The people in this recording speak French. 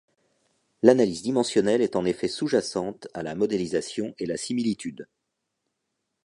L'analyse dimensionnelle est en effet sous-jacente à la modélisation et la similitude.